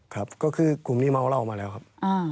ครับก็คือกลุ่มนี้เมาเหล้ามาแล้วครับ